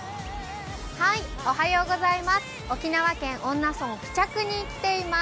沖縄県恩納村冨着に来ています。